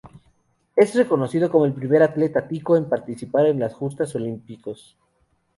Es reconocido como el primer atleta tico en participar en las justas olímpicos.